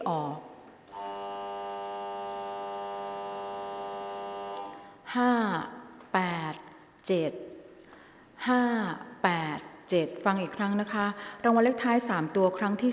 ออกรางวัลเลขท้าย๓ตัวครั้งที่๒